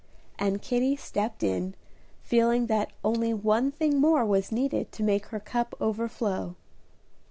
and Kitty stepped in, feeling that only one thing more was needed to make her cup overflow.